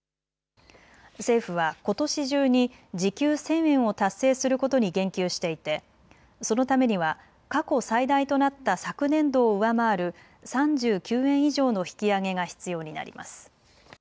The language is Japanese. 政府はことし中に時給１０００円を達成することに言及していてそのためには過去最大となった昨年度を上回る３９円以上の引き上げが必要になります。